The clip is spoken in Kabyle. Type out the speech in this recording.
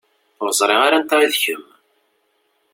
Ur ẓriɣ ara anta i d kemm.